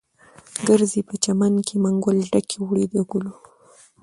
ګرځې په چمن کې، منګول ډکه وړې د ګلو